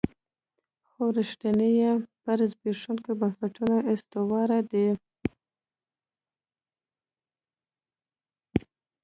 خو ریښې یې پر زبېښونکو بنسټونو استوارې دي.